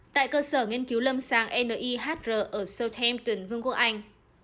tại cơ sở nghiên cứu lâm sàng nihr ở southimton vương quốc anh